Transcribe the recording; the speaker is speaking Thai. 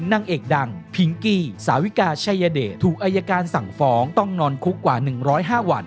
นางเอกดังพิงกี้สาวิกาชัยเดชถูกอายการสั่งฟ้องต้องนอนคุกกว่า๑๐๕วัน